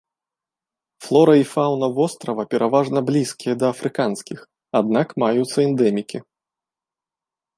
Флора і фаўна вострава пераважна блізкія да афрыканскіх, аднак маюцца эндэмікі.